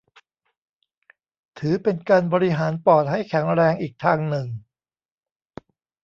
ถือเป็นการบริหารปอดให้แข็งแรงอีกทางหนึ่ง